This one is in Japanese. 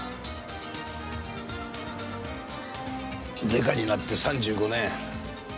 デカになって３５年。